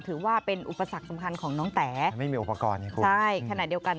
ถือว่าเป็นอุปสรรคสำคัญของน้องแต๋ไม่มีอุปกรณ์ไงคุณใช่ขณะเดียวกัน